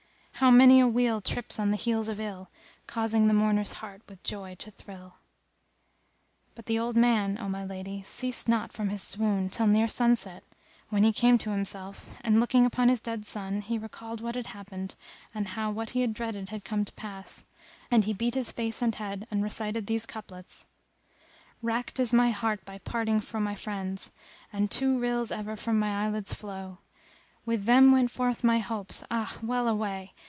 How many a weal trips on the heels of ill, * Causing the mourner's heart with joy to thrill!"[FN#278] But the old man, O my lady, ceased not from his swoon till near sunset, when he came to himself and, looking upon his dead son, he recalled what had happened, and how what he had dreaded had come to pass; and he beat his face and head and recited these couplets:— "Racked is my heart by parting fro' my friends * And two rills ever fro' my eyelids flow: With them[FN#279] went forth my hopes, Ah, well away!